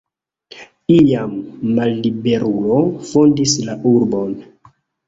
Iama malliberulo fondis la urbon.